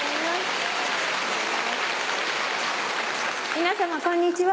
皆さまこんにちは。